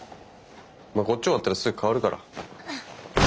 まあこっち終わったらすぐ代わるから。